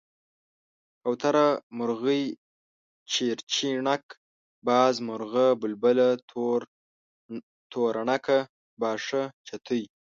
کوتره، مرغۍ، چيرچيڼک، باز، مارغه ،بلبله، توره ڼکه، باښه، چتی،